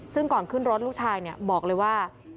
ซึ่งก่อนขึ้นรถลูกชายบอกเลยว่า